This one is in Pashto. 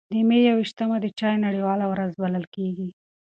د مې یو ویشتمه د چای نړیواله ورځ بلل کېږي.